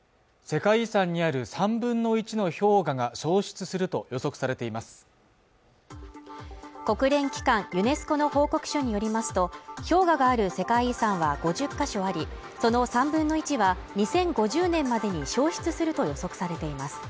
世界遺産にある３分の１の氷河が消失すると予測されています国連機関ユネスコの報告書によりますと氷河がある世界遺産は５０か所ありその３分の１は２０５０年までに消失すると予測されています